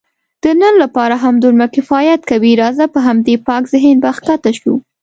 د نن لپاره همدومره کفایت کوي، راځه په همدې پاک ذهن به کښته شو.